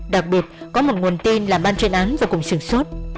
đặc biệt có một nguồn tin làm ban truyền án và cùng sửa sốt